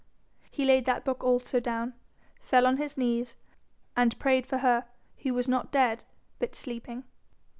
He laid that book also down, fell on his knees, and prayed for her who was not dead but sleeping.